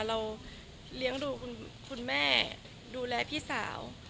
เราเลี้ยงดูคุณแม่ดูแลพี่สาว